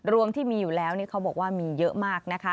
รวมที่มีอยู่แล้วนี่เขาบอกว่ามีเยอะมากนะคะ